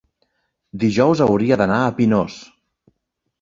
dijous hauria d'anar a Pinós.